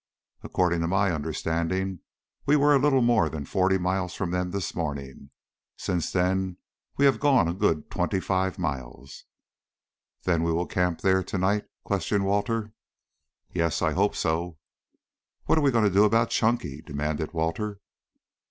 According to my understanding, we were a little more than forty miles from them this morning. Since then we have gone a good twentyfive miles." "Then we will camp there to night?" questioned Walter. "Yes, I hope so." "What are we going to do about Chunky?" demanded Walter.